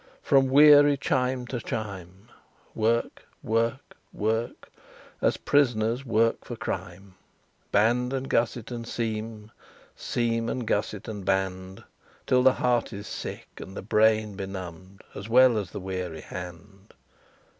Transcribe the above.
From weary chime to chime, Work work work As prisoners work for crime! Band, and gusset, and seam, Seam, and gusset, and band, Till the heart is sick, and the brain benumb'd, As well as the weary hand.